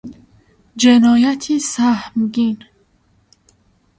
جنایتی سهمگین